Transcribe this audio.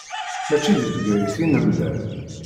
Mačči di Bgayet i nemlal.